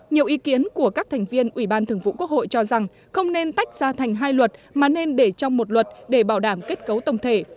nhiều ý kiến của các thành viên ủy ban thường vụ quốc hội cho rằng không nên tách ra thành hai luật mà nên để trong một luật để bảo đảm kết cấu tổng thể